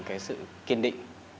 cái sự kiên định